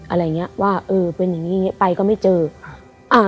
อะไรอย่างเงี้ยว่าเออเป็นอย่างงี้อย่างงี้ไปก็ไม่เจอครับอ่า